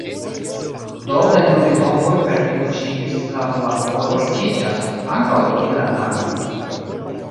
Do ne nur litovoj per tiu ĉi sklavo-laboro riĉiĝas – ankaŭ irlandanoj.